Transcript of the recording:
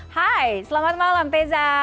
hai selamat malam teza